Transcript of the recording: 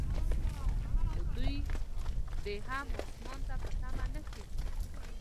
خو دوی دې هم اسمان ته په تمه نه کښیني.